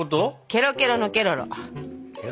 ケロケロのケロロ？